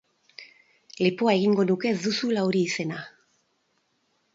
Lepoa egingo nuke ez duzula hori izena.